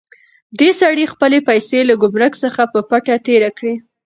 دې سړي خپلې پیسې له ګمرک څخه په پټه تېرې کړې.